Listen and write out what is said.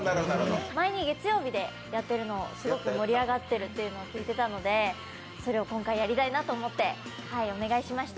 前に月曜日でやって盛り上がってるって聞いたので、それを今回やりたいなと思ってお願いしました。